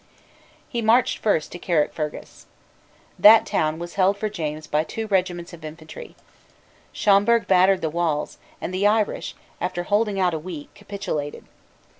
He marched first to Carrickfergus. That town was held for James by two regiments of infantry. Schomberg battered the walls; and the Irish, after holding out a week, capitulated.